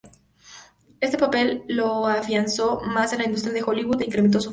Este papel lo afianzó más en la industria de Hollywood e incrementó su fama.